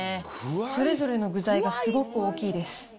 それぞれの具材がすごく大きいです。